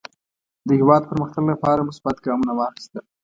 د هېواد پرمختګ لپاره مثبت ګامونه واخیستل.